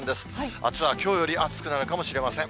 あすはきょうより暑くなるかもしれません。